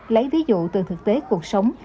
lấy ví dụ từ thực tế cuộc sống